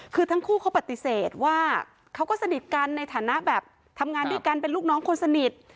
คือทั้งคู่เขาปฏิเสธว่าเขาก็สนิทกันในฐานะแบบทำงานด้วยกันเป็นลูกน้องคนสนิท